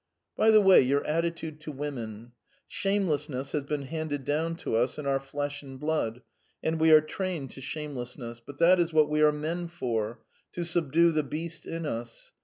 "By the way, your attitude to women. Shamelessness has been handed down to us in our flesh and blood, and we are trained to shamelessness; but that is what we are men for to subdue the beast in us.